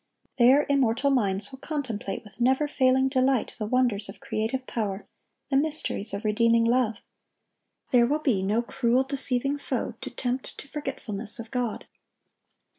There, immortal minds will contemplate with never failing delight the wonders of creative power, the mysteries of redeeming love. There will be no cruel, deceiving foe to tempt to forgetfulness of God.